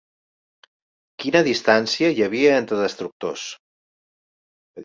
Quina distancia hi havia entre destructors?